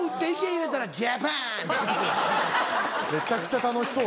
めちゃくちゃ楽しそう。